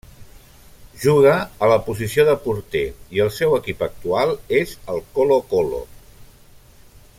Juga a la posició de porter i el seu equip actual és el Colo-Colo.